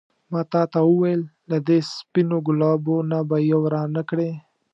ما تا ته وویل له دې سپينو ګلابو نه به یو رانه کړې.